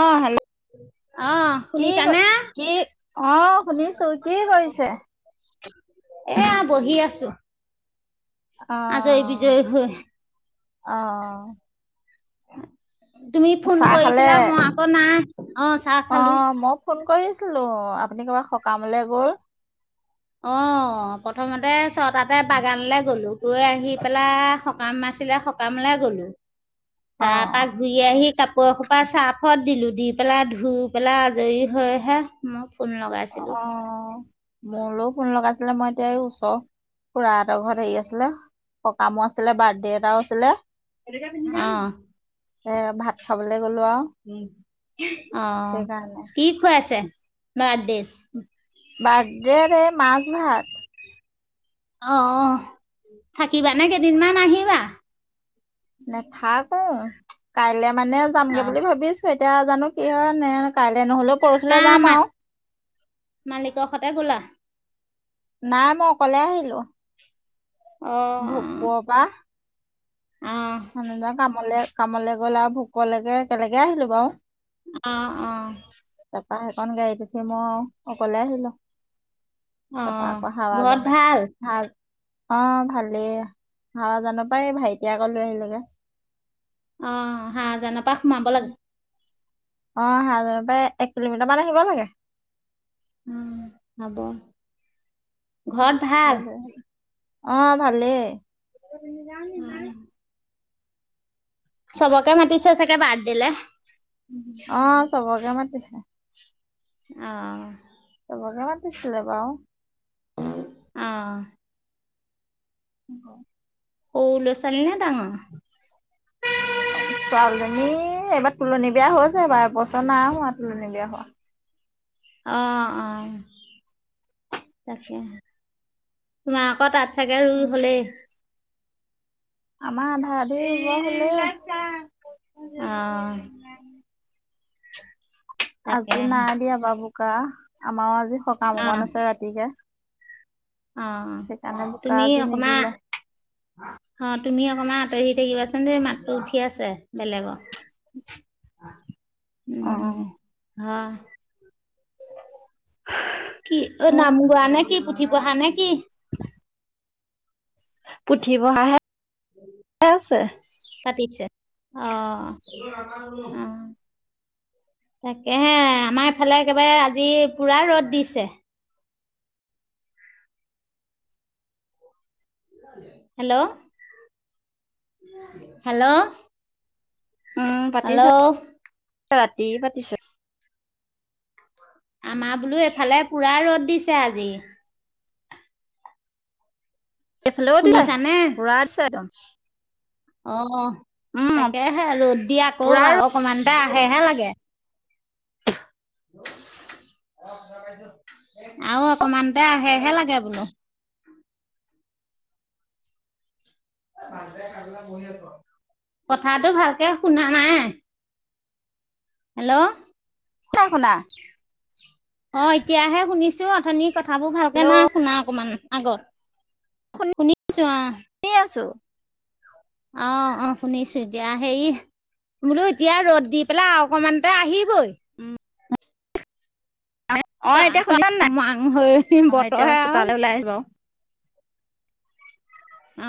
অ' hello! অহ। কি ক শুনিছানে কি অ' শুনিছোঁ, কি কৰিছে? এয়া বহি আছোঁ, অ আজৰি-বিজৰি হৈ। অহ। তুমি ফোন চাহ খালে কৰিছিলা, মই আকৌ নাই। অ' চাহ খালোঁ। ফোন কৰিছিলোঁ আপুনি কবাৰ সকামলে গ'ল। অ প্ৰথমতে ছটাতে বাগানলৈ গলোঁ, গৈ আহি পেলাই সকাম আছিলে সকামলৈ গলোঁ, অ তাৰপা ঘুৰি আহি কাপোৰ অসোপা চাৰফত দিলোঁ, দি পেলাই ধুই পেলাই আজৰি হৈহে মই ফোন লগাই অ মোলৈও ফোন লগাছিলে মই এতিয়া এই ওচৰ খুৰাহঁতৰ ঘৰত হেৰি আছিলে, সকামো আছিলে, বাৰ্থডে এটাও আছিলে। এইটোকে পিন্ধি যাওঁ অ নেকি? এ ভাত খাবলে গলোঁ আৰু। অ সেইকাৰণে কি খুৱাইছে বাৰ্থডেত? বাৰ্থডে এই মাছ-ভাত। অ অ থাকিবানে কেইদিনমান নে আহিবা? নেথাকো, কাইলে মানে যামগে অ বুলি ভাবি আছোঁ। এতিয়া জানো কি হয় নে কাইলে নহ'লেও পৰহিলৈ তা যাম মা আৰু। মালিকৰ সতে গ'লা? নাই মই অকলে আহিলোঁ, অ', ভোকপুৰৰ পৰা। অ। মানুহজন কামলে কামলে গ'ল আৰু ভোগপুৰলৈকে একেলগে আহিলোঁ বাৰু। অ' অ'। তাৰপা সেইকখন গাড়ীত উঠি মই অকলে আহিলোঁ। তাৰপা অ', আকৌ [unintelligible] ঘৰত ভাল? অ ভালেই, হৱাজান পাই ভাইটিয়ে আকৌ লৈ আহিলৈগে। অ হৱাজানৰ পা সোমাব লাগে? অ' হাৱাজানৰ পৰা এক কিলোমিটাৰ মান আহিব লাগে। উম হ'ব। ঘৰত ভাল? অ ভালেই। উম। চবকে মাতিছে চাগে বাৰ্থডেলে? অ চবকে মাতিছে। অ। চবকে মাতিছিলে বাউ অহ [unintelligible] সৰু ল'ৰা ছোৱালী নে ডাঙৰ ছোৱালীজনী এইবাৰ তুলনী বিয়া হৈছে বাৰু এবছৰ নাই হোৱা তুলনী বিয়া হোৱা অহ অহ তাকেহে তোমালোকৰ তাত চাগে ৰুই হ'লেই আমাৰ আধা আধি ৰুব হ'লেই অহ আজি তাকেহে, নাই দিয়া বাউ বোকা আমাৰো আজি সকাম অকণ অ', আছে ৰাতিকে অ', সেইকাণে বোকা তুমি আজি অকমান নিদিলে অ তুমি অকণমান আঁতৰি থাকিবাচোন দে মাতটো উঠি আছে বেলেগৰ উম অ'। হা কি অ হে নাম গোৱা নে কি পুথি পঢ়া নে কি পুঠি পঢ়াইহে আছে পাতিছে অ উম তাকেহে আমাৰ ইফালে একেবাৰে আজি পুৰা ৰ'দ দিছে হেল্ল' হেল্ল' উম পাতিছে হেল্ল' ৰাতি পাতিছে আমাৰ বোলো এইফালে পুৰা ৰ'দ দিছে আজি ইফালেও দিলে শুনিছানে পুৰাছে একদম অ উম, তাকেহে ৰ'দ দি আকৌ পুৰা আউ অকমানতে আহে আহে লাগে আৰু অকমানতে আহে হে লাগে বোলো কথাটো ভালকে শুনা নাই হেল্ল' নাই শুনা অ এতিয়াহে শুনিছো অথনিৰ কথাবোৰ ভালকে হেল্ল' নাই শুনা অকমান আগত শুনিছো অ শুনি আছো অ অ শুনিছো এতিয়া হেৰি বোলো এতিয়াই ৰ'দ দি পেলাই আৰু অকণমানতে আহিবই উম অ ত এতিয়া ত শুনিছা নে নাই মাং হৈ অ এতিয়া বতৰহে আৰু চোতাললৈ ওলাই আহিলো বাউ অ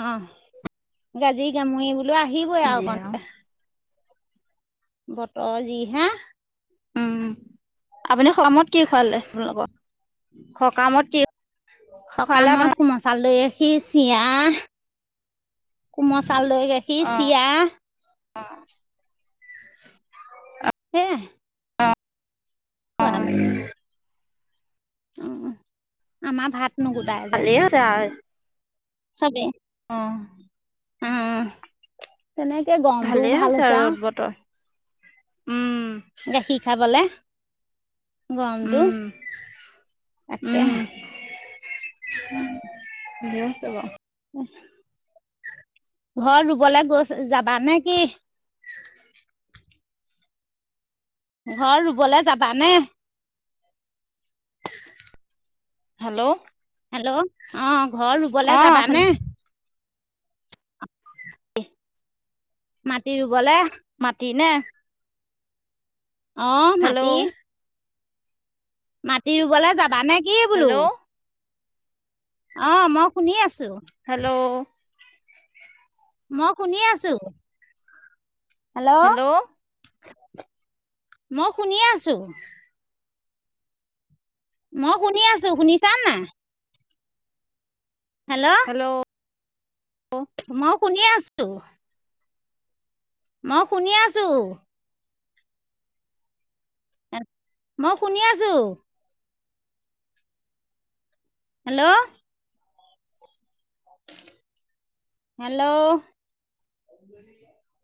গাজি গামুৰি বোলো আহিবই আৰু অকণ বতৰ যিহে উম আপুনি সকামত কি খোৱালে আপোনালোকৰ সকামত কি খোৱালা সকামত বনা কোমল চাউল দৈ গাখীৰ চিআ কোমল চাউল দৈ গাখীৰ অ', চিআ সেয়াই অ', [unintelligible] উম উম আমাৰ ভাত নগোটাই যে তাৰ চবেই অহ উম, তেনেকে ভালেই গৰমটোও ভাল হৈছে আৰু। ৰ'দ বতৰ উম। গাখীৰ খাবলে। উম, গৰমটো উম, তাকে, উম। [unintelligible] ভালে হৈছে বাউ ঘৰত ৰুবলে গৈছ যাবা নেকি? ঘৰত ৰুবলে যাবানে? হেল্ল'! হেল্ল'! অ', ঘৰত ৰুবলে অ', শুনি যাবানে? অ [inaudible] [inaudible] মাটি ৰুবলে। মাটি নে? অ', হেল্ল' মাটি। মাটি ৰুবলৈ যাবানে? কি বোলো হেল্ল'! অ', মই শুনি আছোঁ। হেল্ল'! মই শুনি আছোঁ, হেল্ল'! মই শুনিয়েই আছোঁ। মই শুনি আছোঁ, শুনিচা নাই? হেল্ল'! হেল্ল'! মই শুনিয়ে আছোঁ। মই শুনিয়ে আছোঁ। এ, মই শুনিয়ে আছোঁ। হেল্ল'! হেল্ল'! [unintelligible]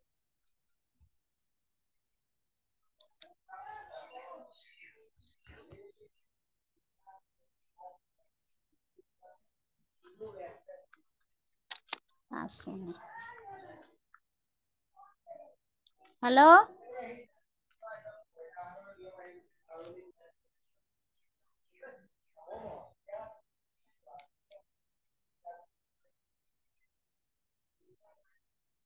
[inaudible] আছোঁ হেল্ল'! [unintelligible] [unintelligible]